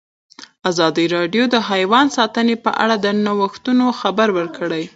ازادي راډیو د حیوان ساتنه په اړه د نوښتونو خبر ورکړی.